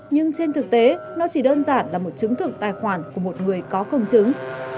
nhưng trên thực tế nó chỉ đơn giản là một chứng thực tài khoản của một người có công chứng